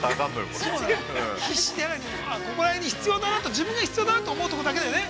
◆ここら辺に必要だなと自分で必要だなと思う所だけだよね。